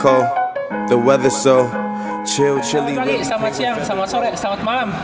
selamat pagi selamat siang selamat sore selamat malam